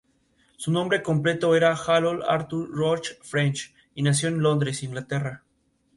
Más abajo hay una referencia a una tabla semejante.